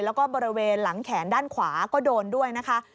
แล้วก็บริเวณหลังแขนด้านขวาก็โดนด้วยนะคะ